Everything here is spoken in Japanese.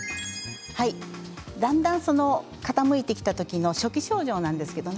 だんだん、傾いてきたときの初期症状です。